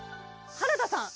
原田さん